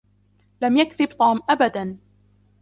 لم يكذب طوم أبدا